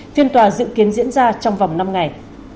phiên tòa dự kiến diễn ra trong vòng năm ngày